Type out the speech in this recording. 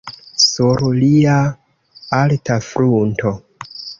Sur lia alta frunto.